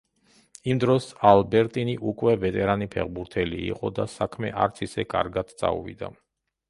იმ დროს ალბერტინი უკვე ვეტერანი ფეხბურთელი იყო და საქმე არც ისე კარგად წაუვიდა.